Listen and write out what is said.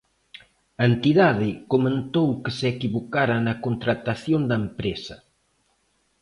A entidade comentou que se equivocara na contratación da empresa.